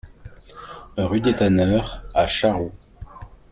Rue des Tanneurs à Charroux